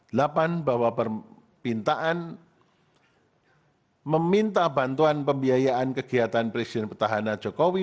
delapan bahwa permintaan meminta bantuan pembiayaan kegiatan presiden petahana jokowi